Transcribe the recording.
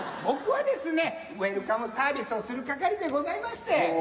僕はですねウエルカムサービスをする係でございまして。